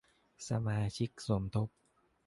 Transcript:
สมาชิกสมทบ